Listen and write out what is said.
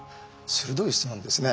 鋭い質問ですね。